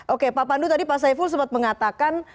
oke papa andu tadi pak saiful sempat mengatakan